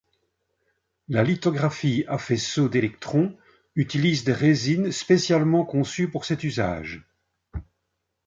La lithographie à faisceau d'électrons utilise des résines spécialement conçues pour cet usage.